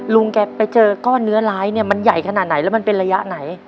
ลุงแกไปเจอก้อนเนื้อร้ายเนี่ยมันใหญ่ขนาดไหนแล้วมันเป็นระยะไหน